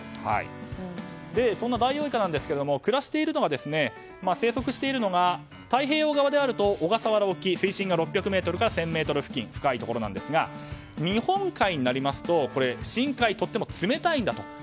そんなダイオウイカですが生息しているのが、太平洋側だと小笠原沖水深６００ｍから１０００ｍ付近深いところなんですが日本海になりますと深海、とっても冷たいんだと。